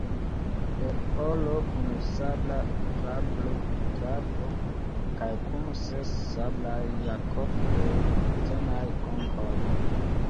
El oro kun sabla trabo kaj kun ses sablaj jakob-pektenaj konkoj.